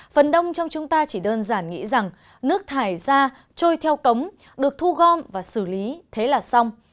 phần đông trong chúng ta chỉ đơn giản nghĩ rằng nước thải ra trôi theo cống được thu gom và xử lý thế là xong